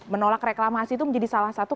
menolak reklamasi itu menjadi salah satu